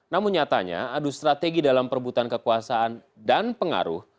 namun nyatanya adu strategi dalam perbutan kekuasaan dan pengaruh